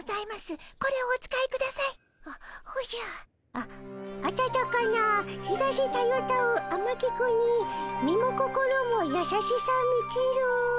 あ「あたたかな日ざしたゆたうあまき国身も心もやさしさみちる」。